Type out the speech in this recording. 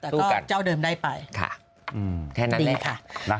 สู้กันแต่ก็เจ้าเดิมได้ไปแท่นั้นแหละเดี๋ยวค่ะ